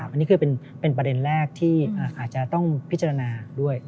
อันนี้คือเป็นประเด็นแรกที่อาจจะต้องพิจารณาด้วย